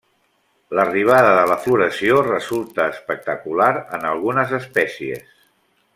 L'arribada de la floració resulta espectacular en algunes espècies.